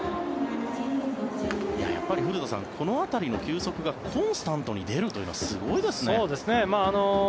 やっぱり古田さんこの辺りの球速がコンスタントに出るというのはすごいですね。